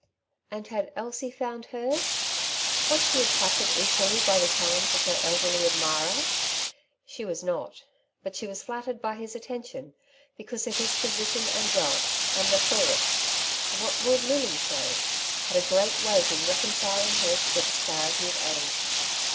And had Elsie found hers ? Was she attracted equally by the charms of her elderly admirer ? She was notj but she was flattered by his attention, because of his position and wealth ; and the thought, '' What will Lily say ?^^ had a great weight in reconciling her to the disparity of age.